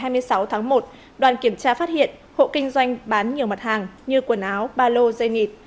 vào ngày sáu tháng một đoàn kiểm tra phát hiện hộ kinh doanh bán nhiều mặt hàng như quần áo ba lô dây nghịt